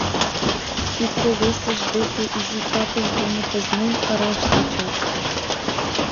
Икте-весышт деке изи капышт дене пызнен ыраш тӧчат.